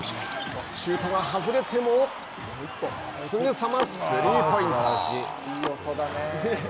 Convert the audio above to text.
シュートが外れてもすぐさまスリーポイント。